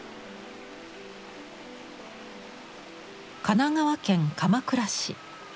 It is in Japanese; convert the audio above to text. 神奈川県鎌倉市。